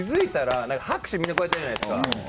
拍手、みんなこうやってやるじゃないですか。